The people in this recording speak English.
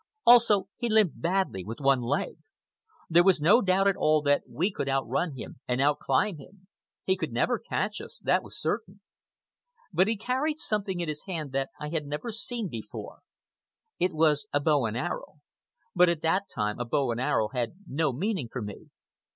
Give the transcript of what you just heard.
Also, he limped badly with one leg. There was no doubt at all that we could out run him and out climb him. He could never catch us, that was certain. But he carried something in his hand that I had never seen before. It was a bow and arrow. But at that time a bow and arrow had no meaning for me.